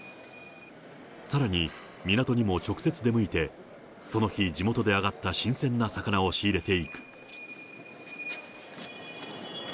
さらに、港にも直接出向いて、その日地元で揚がった新鮮な魚を仕入れていく。